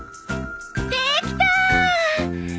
できた！